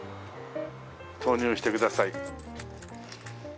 投入してください。